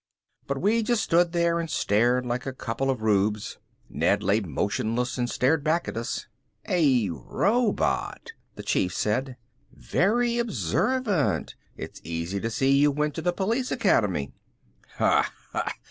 But we just stood there and stared like a couple of rubes. Ned lay motionless and stared back at us. "A robot!" the Chief said. "Very observant; it's easy to see you went to the police academy." "Ha ha!